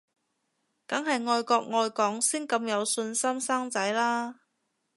梗係愛國愛港先咁有信心生仔啦